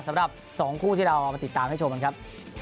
สำหรับ๒คู่ที่เรามาติดตามให้ชมกันครับ